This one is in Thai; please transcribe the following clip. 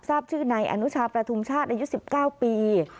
ทราบชื่อนายอนุชาประทุมชาติอายุ๑๙ปี